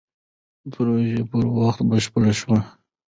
پروژه پر وخت بشپړه شوه.